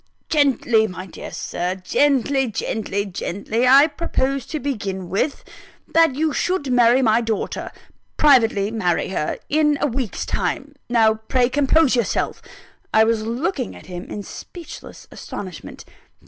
"Gently, my dear Sir! gently, gently, gently! I propose to begin with: that you should marry my daughter privately marry her in a week's time. Now, pray compose yourself!" (I was looking at him in speechless astonishment.)